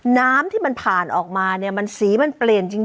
น้ำที่มันผ่านออกมาเนี่ยมันสีมันเปลี่ยนจริง